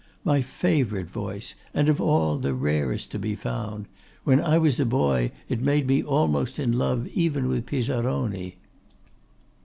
'My favourite voice; and of all, the rarest to be found. When I was a boy, it made me almost in love even with Pisaroni.